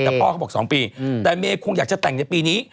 แต่พ่อเขาบอก๒ปีแต่เมย์คงอยากจะแต่งในปีนี้